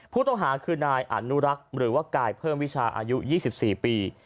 ผู้ต้องหาคือนายอนุรักษ์หรือว่ากายเพิ่มวิชาอายุ๒๔ปี